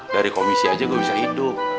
dari komisi aja gak bisa hidup